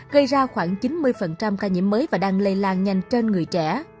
gây ra khoảng chín mươi ca nhiễm mới và đang lây lan nhanh trên người trẻ